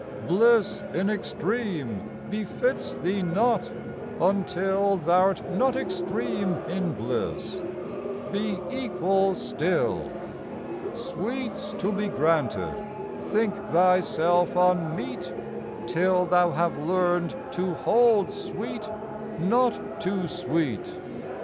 Bliss in extreme befits thee not, until Thou'rt not extreme in bliss; be equal still: Sweets to be granted think thyself unmeet Till thou have learned to hold sweet not too sweet.